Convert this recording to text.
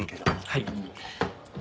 はい。